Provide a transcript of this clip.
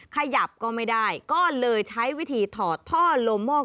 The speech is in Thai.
ขยับก็ไม่ได้ก็เลยใช้วิธีถอดท่อลม่อกรองอากาศออก